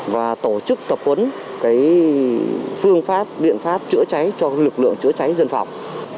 và tổ chức tập huấn phương pháp biện pháp chữa cháy cho lực lượng chữa cháy dân phòng